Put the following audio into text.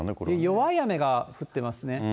弱い雨が降っていますね。